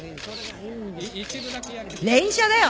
連写だよ！